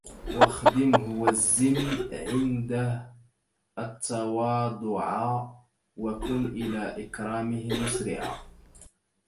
واخدمه والزِمْ عنده التواضعا وكن إلى إكرامه مسارعا